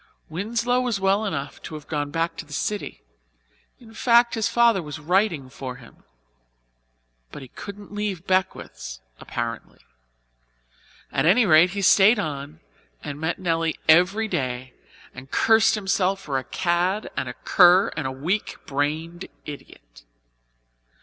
Winslow was well enough to have gone back to the city and, in fact, his father was writing for him. But he couldn't leave Beckwiths', apparently. At any rate he stayed on and met Nelly every day and cursed himself for a cad and a cur and a weak brained idiot.